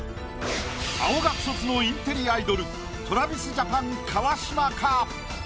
青学卒のインテリアイドルＴｒａｖｉｓＪａｐａｎ川島か？